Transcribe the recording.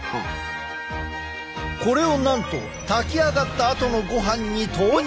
これをなんと炊きあがったあとのごはんに投入。